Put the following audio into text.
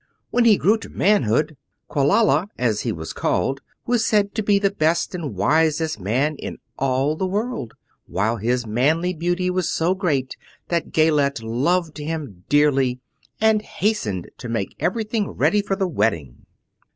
When he grew to manhood, Quelala, as he was called, was said to be the best and wisest man in all the land, while his manly beauty was so great that Gayelette loved him dearly, and hastened to make everything ready for the wedding.